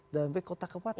sampai kota kepatin